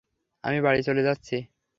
আমি বাড়ি চলে যাচ্ছি।